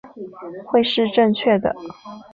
会是正确的